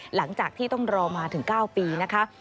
หลังจากที่ต้องรอมาถึง๙ปีนะคะ